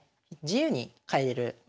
自由に変えれる。